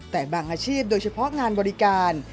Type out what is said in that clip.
แต่บางอาชีพโดยเฉพาะงานบริการ